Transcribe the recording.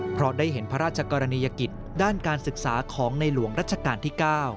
เพราะได้เห็นพระราชกรณียกิจด้านการศึกษาของในหลวงรัชกาลที่๙